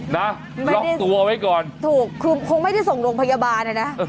ล็อกตัวไว้ก่อนถูกคุณคงไม่ได้ส่งลงพยาบาลเลยนะ